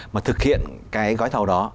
mà thực hiện cái gói thầu đó